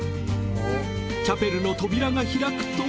チャペルの扉が開くと。